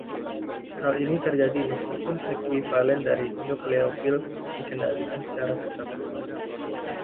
Hal ini terjadi meskipun ekuivalen dari nukleofil dikendalikan secara ketat.